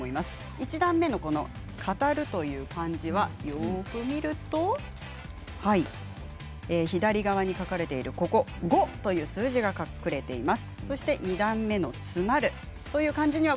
１段目の「語る」という漢字はよく見ると左側に書かれている「５五」という数字が書かれています。